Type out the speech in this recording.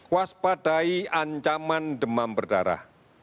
waspadai ancaman demam berdarah